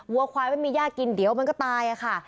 วัวควายไม่มีย่ากินเดี๋ยวมันก็ตายค่ะ